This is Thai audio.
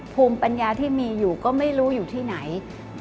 ภูมิปัญญาที่มีอยู่ก็ไม่รู้อยู่ที่ไหน